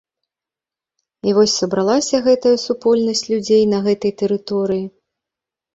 І вось сабралася гэтая супольнасць людзей на гэтай тэрыторыі.